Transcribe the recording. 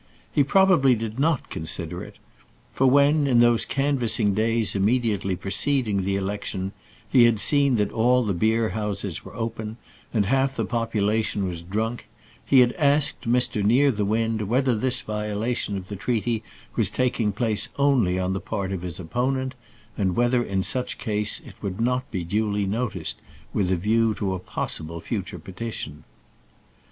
He probably did not consider it; for when, in those canvassing days immediately preceding the election, he had seen that all the beer houses were open, and half the population was drunk, he had asked Mr Nearthewinde whether this violation of the treaty was taking place only on the part of his opponent, and whether, in such case, it would not be duly noticed with a view to a possible future petition.